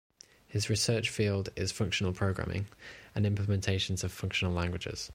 His research field is functional programming and implementations of functional languages.